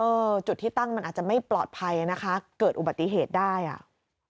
จุดที่ตั้งมันอาจจะไม่ปลอดภัยนะคะเกิดอุบัติเหตุได้อ่ะ